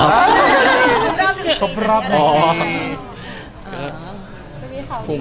สุดความสุขฟัน